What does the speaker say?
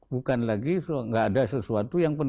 bukan lagi nggak ada sesuatu yang penuh